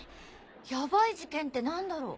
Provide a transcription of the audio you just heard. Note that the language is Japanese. ヤバい事件って何だろう？